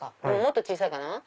もっと小さいかな。